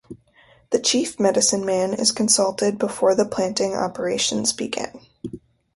The chief medicine man is consulted before the planting operations begin.